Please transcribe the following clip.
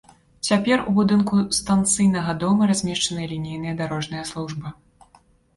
Цяпер у будынку станцыйнага дома размешчаная лінейная дарожная служба.